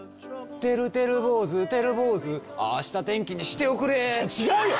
てるてる坊主てる坊主あした天気にしておくれ違うよ！